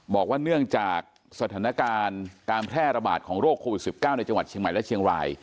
บอกว่าเนื่องจากสถานการณ์การแพร่ระบาดของโรคโควิด๑๙ในจังหวัดเชียงใหม่และเชียงราย